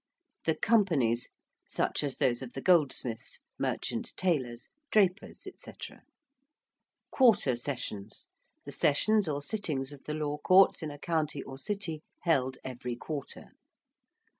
~The Companies~: such as those of the Goldsmiths, Merchant Taylors, Drapers, &c. ~Quarter Sessions~: the sessions or sittings of the Law Courts in a county or city held every quarter.